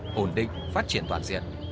hồn định phát triển toàn diện